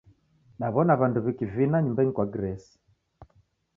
Daw'ona w'andu w'ikivina nyumbenyi kwa Grace.